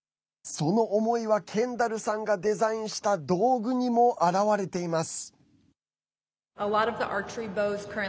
その思いはケンダルさんがデザインした道具にも表れています。